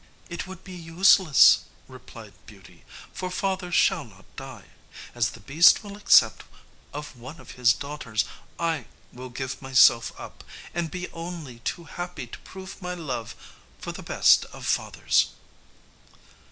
"It would be useless," replied Beauty; "for father shall not die. As the beast will accept of one of his daughters, I will give myself up, and be only too happy to prove my love for the best of fathers."